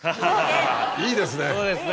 いいですね。